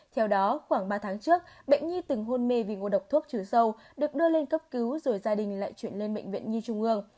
theo đó khoảng ba tháng trước bệnh nhi từng hôn mê vì ngộ độc thuốc trừ sâu được đưa lên cấp cứu rồi gia đình lại chuyển lên bệnh viện nhi trung ương